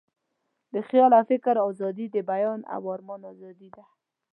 د خیال او فکر آزادي، د بیان او آرمان آزادي ده.